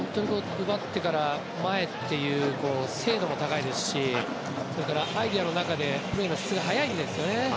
奪ってから前という精度も高いしアイデアの中でプレーの質が高いんですよね。